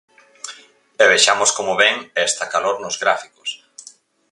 E vexamos como vén esta calor nos gráficos.